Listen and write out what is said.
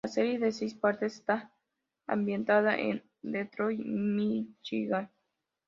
La serie de seis partes está ambientada en Detroit, Míchigan.